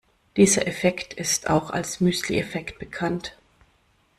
Dieser Effekt ist auch als Müsli-Effekt bekannt.